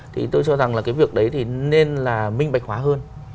thì tôi cho rằng là cái việc đấy thì nên là minh bạch hóa hơn